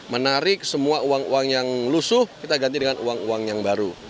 menarik semua uang uang yang lusuh kita ganti dengan uang uang yang baru